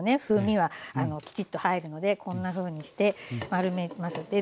風味はきちっと入るのでこんなふうにして丸めます。